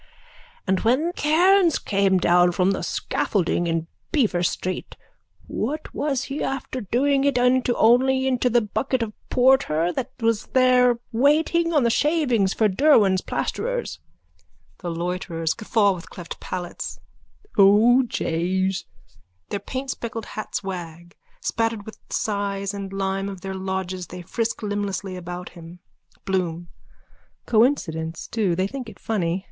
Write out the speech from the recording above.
_ And when Cairns came down from the scaffolding in Beaver street what was he after doing it into only into the bucket of porter that was there waiting on the shavings for Derwan's plasterers. THE LOITERERS: (Guffaw with cleft palates.) O jays! (Their paintspeckled hats wag. Spattered with size and lime of their lodges they frisk limblessly about him.) BLOOM: Coincidence too. They think it funny.